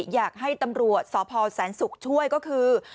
อยากให้ตำรวจสพแสนศุกร์ช่วยก็คือ